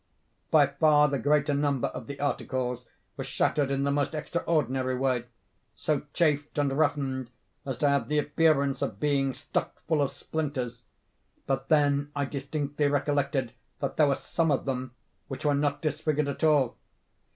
By far the greater number of the articles were shattered in the most extraordinary way—so chafed and roughened as to have the appearance of being stuck full of splinters—but then I distinctly recollected that there were some of them which were not disfigured at all.